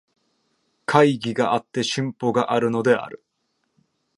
懐疑があって進歩があるのである。